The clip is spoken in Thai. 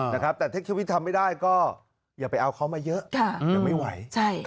แต่เทคชีวิตทำไม่ได้ก็อย่าไปเอาเขามาเยอะยังไม่ไหว